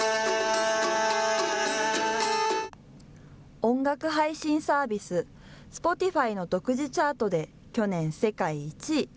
音楽配信サービス、スポティファイの独自チャートで去年、世界１位。